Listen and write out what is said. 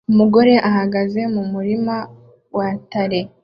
Umugore uhagaze mumurima wa tale